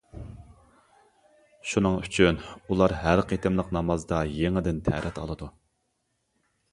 شۇنىڭ ئۈچۈن ئۇلار ھەر قېتىملىق نامازدا يېڭىدىن تەرەت ئالىدۇ.